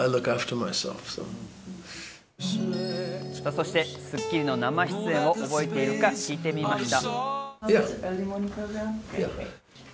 そして『スッキリ』の生出演を覚えているか、聞いてみました。